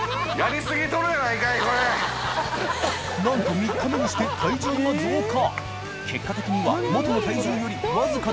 磴覆鵑３日目にして体重が増加齋